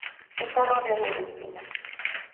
Está rodeado de espinas.